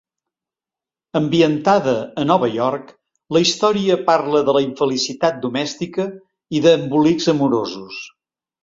Ambientada a Nova York, la història parla de la infelicitat domèstica i d'embolics amorosos.